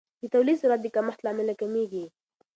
د تولید سرعت د کمښت له امله کمیږي.